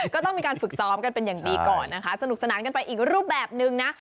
ก็ต้องมีการฝึกซ้อมกันเป็นอย่างดีก่อนนะคะสนุกสนานกันไปอีกรูปแบบนึงนะ